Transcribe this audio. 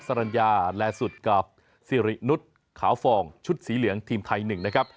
สรรญาแลสุดกับสิรินุษย์ขาวฟองชุดสีเหลืองทีมไทย๑นะครับ